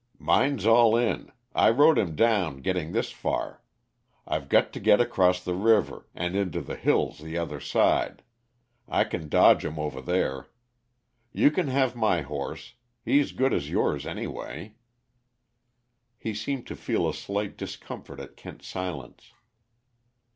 "Mine's all in I rode him down, getting this far. I've got to get across the river, and into the hills the other side I can dodge 'em over there. You can have my horse he's good as yours, anyway." He seemed to fed a slight discomfort at Kent's silence.